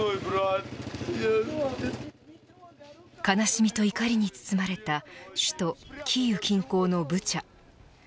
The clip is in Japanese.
悲しみと怒りに包まれた首都キーウ近郊のブチャ。